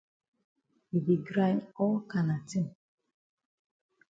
E di grind all kana tin.